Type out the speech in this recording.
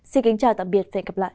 xin kính chào tạm biệt và hẹn gặp lại